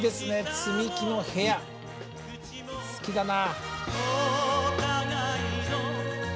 「積木の部屋」好きだな。